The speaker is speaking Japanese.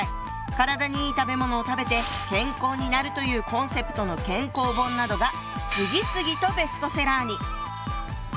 体にいい食べ物を食べて健康になるというコンセプトの健康本などが次々とベストセラーに！